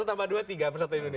tambah dua tiga persatu indonesia